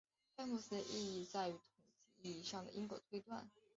该模型的意义在于统计意义上的因果推断。